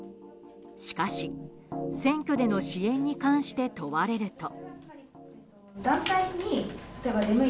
しかし、選挙での支援に関して問われると。